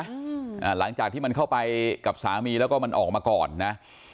อ่าหลังจากที่มันเข้าไปกับสามีแล้วก็มันออกมาก่อนนะ